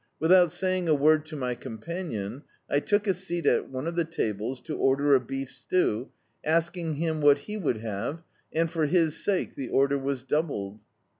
Without saying a word to my companion, I took a seat at one of the tables, to order a beef stew, asking him what he would have, and, for his sake, die order was doubled.